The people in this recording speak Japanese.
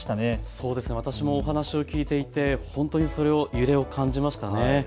そうですね、私も話を聞いていて本当に揺れを感じましたね。